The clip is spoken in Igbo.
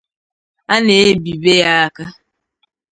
a na-ebìbe ya aka